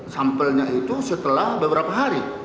sample nya itu setelah beberapa hari